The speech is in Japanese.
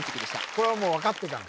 これはもう分かってたの？